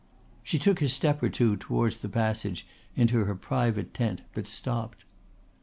She took a step or two towards the passage into her private tent but stopped.